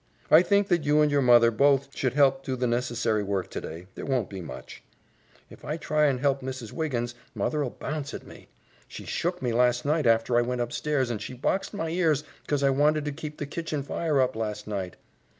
"I think that you and your mother both should help do the necessary work today. There won't be much." "If I try and help Mrs. Wiggins, mother'll bounce out at me. She shook me last night after I went upstairs, and she boxed my ears 'cause I wanted to keep the kitchen fire up last night."